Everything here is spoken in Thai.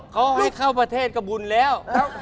เขาให้เข้าประเทศก็บุญแล้ว